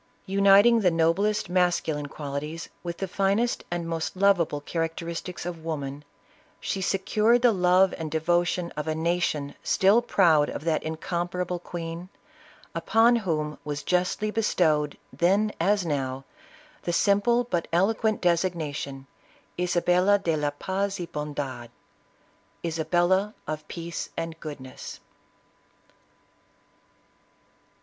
,; Uniting the noblest masculine qualities with the finest and most lovable characteristics of woman, she secured the love and devotion of a nation still proud of that incomparable queen, upon whom was justly be stowed then, as now, the simple but eloquent designa tion— " Isabella de la paz y bontad" — Isabella of peace and goodness